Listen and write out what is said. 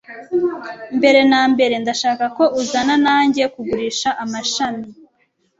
Mbere na mbere, ndashaka ko uzana nanjye kugurisha amashami.